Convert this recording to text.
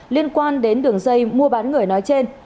liên quan đến đường dây mua bán người nói trên